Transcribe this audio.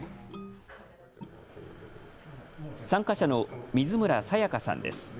参加者の水村清夏さんです。